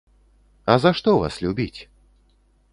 А за што вас любіць?